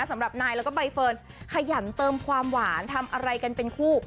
สำหรับนายแล้วก็ใบเฟิร์นขยันเติมความหวานทำอะไรกันเป็นคู่